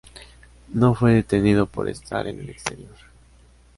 No fue detenido por estar en el exterior.